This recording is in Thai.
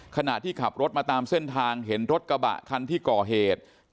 ขณะที่ขับรถมาตามเส้นทางเห็นรถกระบะคันที่ก่อเหตุ